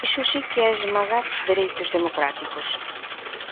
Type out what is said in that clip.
Iso si que é esmagar os dereitos democráticos.